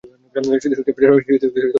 স্মৃতিশক্তি বজায় রাখতে সাহায্য করে।